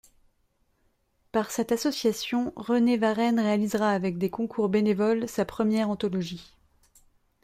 Par cette association, René Varennes réalisera avec des concours bénévoles sa première anthologie.